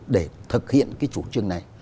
để thực hiện cái chủ trương này